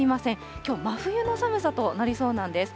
きょうは真冬の寒さとなりそうなんです。